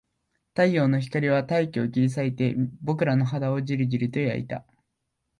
太陽の光は大気を切り裂いて、僕らの肌をじりじりと焼いた